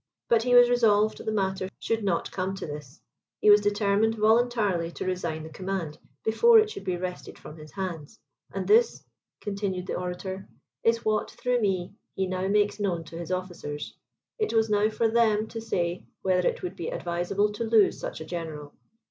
But he was resolved the matter should not come to this; he was determined voluntarily to resign the command, before it should be wrested from his hands; and this," continued the orator, "is what, through me, he now makes known to his officers. It was now for them to say whether it would be advisable to lose such a general.